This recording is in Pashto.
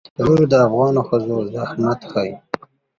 تنور د افغانو ښځو زحمت ښيي